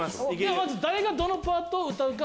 まず誰がどのパートを歌うか。